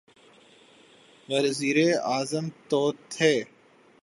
وزیراعظم تو تھے۔